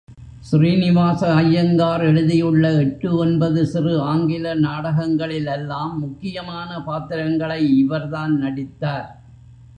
ஸ்ரீனிவாச ஐயங்கார் எழுதியுள்ள எட்டு ஒன்பது சிறு ஆங்கில நாடகங்களிலெல்லாம் முக்கியமான பாத்திரங்களை இவர்தான் நடித்தார்.